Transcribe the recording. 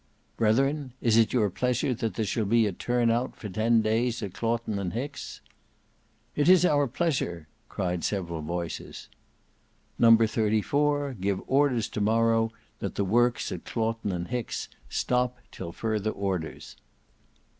"Brethren, is it your pleasure that there shall be a turn out for ten days at Claughton and Hicks?" "It is our pleasure," cried several voices. "No.34, give orders to morrow that the works at Claughton and Hicks stop till further orders."